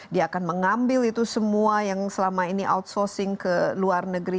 dia akan mengambil itu semua yang selama ini outsourcing ke luar negeri